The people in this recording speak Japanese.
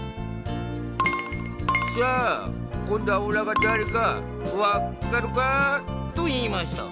「さあこんどはおらがだれかわっかるか」といいました。